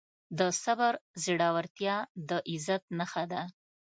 د صبر زړورتیا د عزت نښه ده.